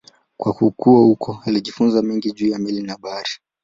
Kwa kukua huko alijifunza mengi juu ya meli na bahari.